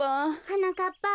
はなかっぱ。